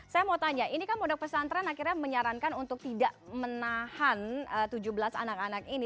saya mau tanya ini kan pondok pesantren akhirnya menyarankan untuk tidak menahan tujuh belas anak anak ini